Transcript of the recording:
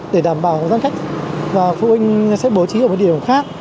để đảm bảo gian cách và phụ huynh sẽ bố trí ở một địa điểm khác